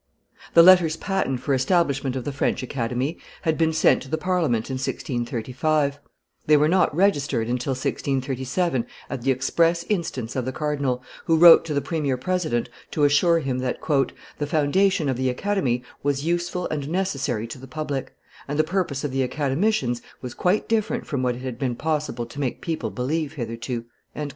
The letters patent for establishment of the French Academy had been sent to the Parliament in 1635; they were not registered until 1637 at the express instance of the cardinal, who wrote to the premier President to assure him that "the foundation of the Academy was useful and necessary to the public, and the purpose of the Academicians was quite different from what it had been possible to make people believe hitherto."